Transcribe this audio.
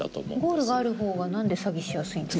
ゴールがあるほうが何で詐欺しやすいんですか？